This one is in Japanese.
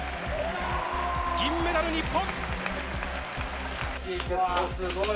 銀メダル、日本！